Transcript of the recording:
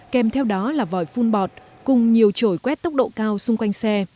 kèm theo đó là vòi phun bọt cùng nhiều trổi quét tốc độ cao xung quanh xe